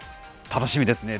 楽しみですね。